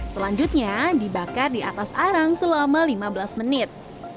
selanjutnya dibakar di atas arang selama lima belas menit